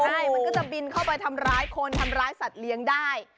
ใช่มันก็จะบินเข้าไปทำร้ายคนทำร้ายสัตว์เลี้ยงได้